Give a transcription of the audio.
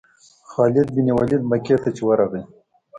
خالد بن ولید مکې ته چې ورغی.